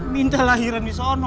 pintah lahiran di sono